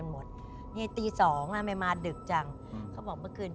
มีคนมาดับ